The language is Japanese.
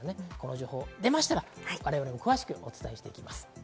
情報が出ましたら詳しくお伝えしていきます。